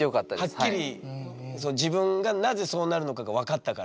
はっきり自分がなぜそうなるのかが分かったから。